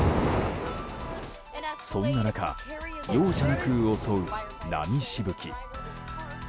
そんな中容赦なく襲う波しぶき。